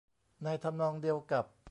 ในทำนองเดียวกับ